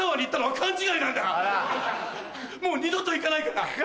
もう二度と行かないから。